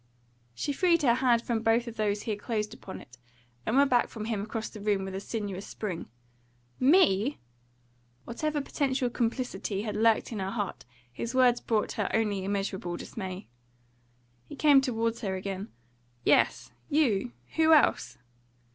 She freed her hand from both of those he had closed upon it, and went back from him across the room with a sinuous spring. "ME!" Whatever potential complicity had lurked in her heart, his words brought her only immeasurable dismay. He came towards her again. "Yes, you. Who else?"